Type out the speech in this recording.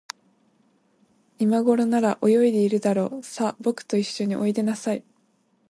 いまごろなら、泳いでいるだろう。さあ、ぼくといっしょにおいでなさい。